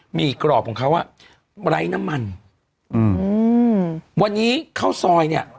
หี่กรอบของเขาอ่ะไร้น้ำมันอืมวันนี้ข้าวซอยเนี้ย